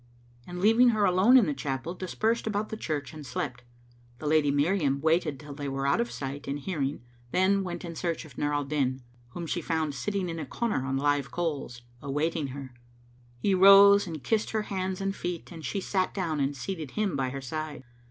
and leaving her alone in the chapel, dispersed about the church and slept. The Lady Miriam waited till they were out of sight and hearing, then went in search of Nur al Din, whom she found sitting in a corner on live coals, awaiting her. He rose and kissed her hands and feet and she sat down and seated him by her side.